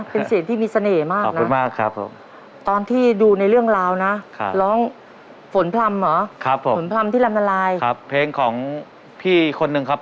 เป็นเสียงที่มีเสน่ห์มากนะ